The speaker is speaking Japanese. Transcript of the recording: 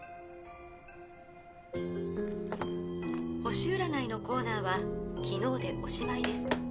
星占いのコーナーは昨日でおしまいです。